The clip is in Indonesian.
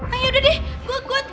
ayudah deh gue gue